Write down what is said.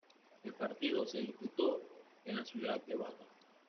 El partido se disputó en la ciudad de Bata.